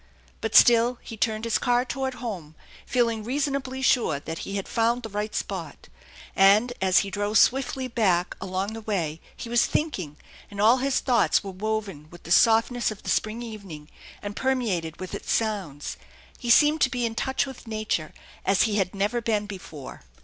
But still he turned his car toward home, feeling reasonably sure that he had found the right spot ; and, as he drove swiftly back along the way, he was thinking, and all his thoughts were woven with the softness of the spring evening and permeated with its sounds. He seemed to be in touch with nature as he had never been before.